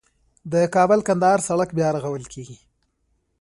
د کابل - کندهار سړک بیا رغول کیږي